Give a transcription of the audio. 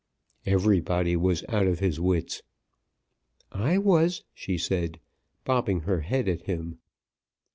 "Everybody was out of his wits." "I was," she said, bobbing her head at him.